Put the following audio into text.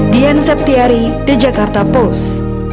dian septiari the jakarta post